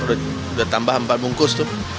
udah tambah empat bungkus